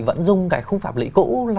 vẫn dùng cái khung phạm lý cũ